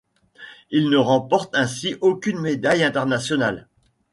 Il ne remporte ainsi aucune médaille internationale.